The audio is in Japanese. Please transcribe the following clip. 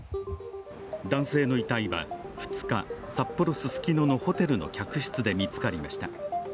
男性の遺体は２日、札幌・ススキノのホテルの客室で見つかりました。